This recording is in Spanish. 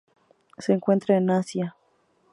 Se encuentra en Asia, las Seychelles y Oceanía.